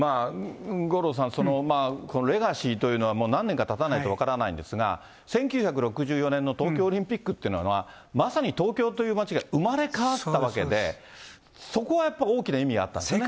五郎さん、このレガシーというのは、何年かたたないと分からないんですが、１９６４年の東京オリンピックっていうのは、まさに東京という街が生まれ変わったわけで、そこはやっぱり大きな意味があったんですね。